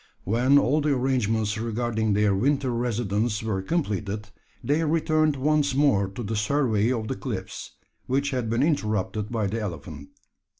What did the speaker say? When all the arrangements regarding their winter residence were completed, they returned once more to the survey of the cliffs, which had been interrupted by the elephant.